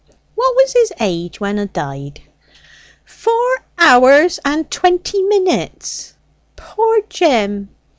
"What was his age when 'a died?" "Four hours and twenty minutes, poor Jim.